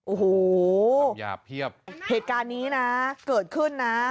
อูหูสัมญาเพี้ยวอันดาห์นี้นะเกิดขึ้นนะ